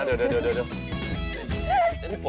เดี๋ยว